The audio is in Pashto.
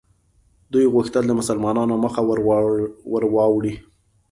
دوی غوښتل د مسلمانانو مخه ور واړوي.